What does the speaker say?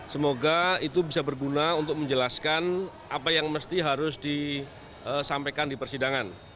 semoga itu bisa berguna untuk menjelaskan apa yang mesti harus disampaikan di persidangan